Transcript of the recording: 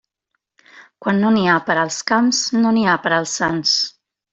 Quan no n'hi ha per als camps, no n'hi ha per als sants.